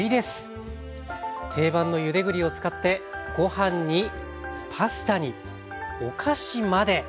定番のゆで栗を使ってご飯にパスタにお菓子まで！